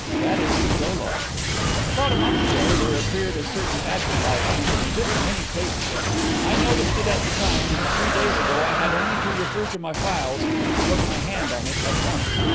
That is the prologue. "About a month ago there appeared a certain advertisement in a good many papers. I noticed it at the time and three days ago I had only to refer to my files to put my hand on it at once.